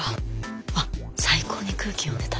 あっ最高に空気読んでた。